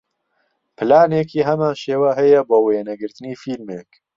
پلانێکی هەمان شێوە هەیە بۆ وێنەگرتنی فیلمێک